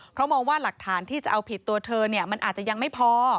เพราะมองว่าหลักฐานที่จะเอาผิดตัวเธอมันอาจจะยังไม่พอ